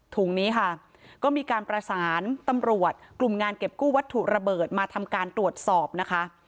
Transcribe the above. ถุงนี้ค่ะก็มีการประสานตำรวจกลุ่มงานเก็บกู้วัตถุระเบิดมาทำการตรวจสอบนะคะ